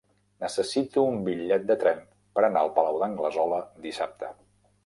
Necessito un bitllet de tren per anar al Palau d'Anglesola dissabte.